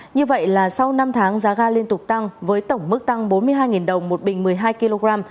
như vậy là sau năm tháng giá ga liên tục tăng với tổng mức tăng bốn mươi hai đồng một bình một mươi hai kg